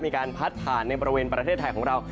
มีการพัดผ่านในบริเวณประเทศไทยของเรา